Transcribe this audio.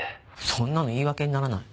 そんなの言い訳にならない。